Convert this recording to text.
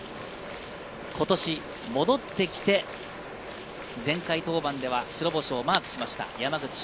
今年戻ってきて前回登板では白星をマークしました山口俊。